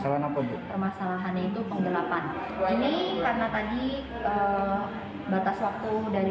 dua lagi jadikan bukti apa masalahnya itu penggelapan ini karena tadi batas waktu dari